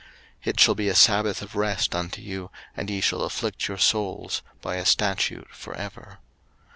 03:016:031 It shall be a sabbath of rest unto you, and ye shall afflict your souls, by a statute for ever.